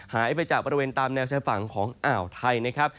หายไปจากบริเวณตามแนวชายฝั่งของอ่าวไทยนะครับ